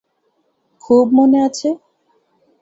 খুব মনে আছে।